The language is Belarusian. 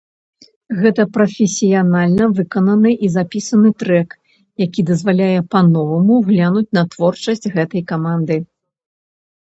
Гэта прафесіянальна выкананы і запісаны трэк, які дазваляе па-новаму глянуць на творчасць гэтай каманды.